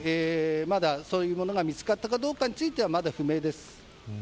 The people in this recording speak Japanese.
まだそういうものが見つかったかどうかについては不明です。